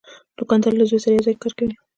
دوکاندار له زوی سره یو ځای کار کوي.